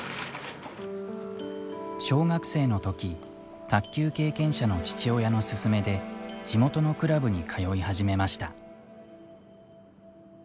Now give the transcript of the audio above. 小学生のとき卓球経験者の父親の勧めで地元のクラブに通い始めました。